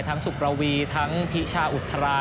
สุประวีทั้งพิชาอุทรา